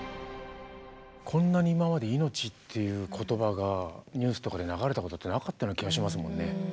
こんなに今まで「命」っていう言葉がニュースとかで流れたことってなかったような気がしますもんね。